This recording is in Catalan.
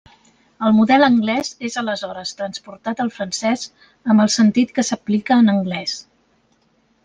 El model anglès és aleshores transportat al francès amb el sentit que s'aplica en anglès.